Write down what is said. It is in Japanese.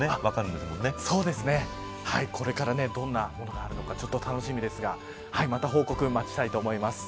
これからどんなものがあるのか楽しみですがまた報告、待ちたいと思います。